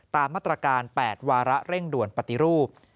ตามมาตรการ๘วาระเร่งด่วนปฏิรูป